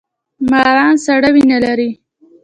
ماران سړه وینه لري